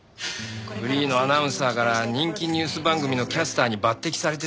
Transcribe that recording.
フリーのアナウンサーから人気ニュース番組のキャスターに抜擢されてさ。